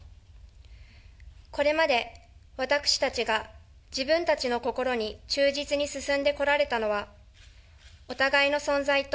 これまで私たちが自分たちの心に忠実に進んでこられたのは、お互いの存在と、